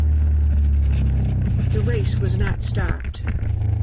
The race was not stopped.